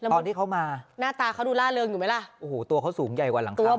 ตอนที่เขามาหน้าตาเขาดูล่าเริงอยู่ไหมล่ะโอ้โหตัวเขาสูงใหญ่กว่าหลังคา